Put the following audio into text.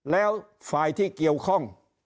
แล้วฝ่ายที่เกี่ยวข้อง